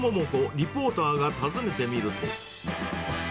りぽーたーが訪ねてみると。